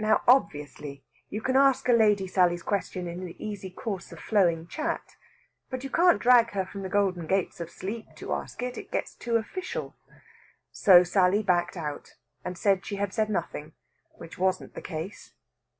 Now, obviously, you can ask a lady Sally's question in the easy course of flowing chat, but you can't drag her from the golden gates of sleep to ask it. It gets too official. So Sally backed out, and said she had said nothing, which wasn't the case.